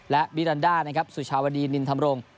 และบีรันดานะครับสุชาวดีนินธรรมรงค์